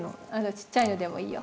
ちっちゃいのでもいいよ。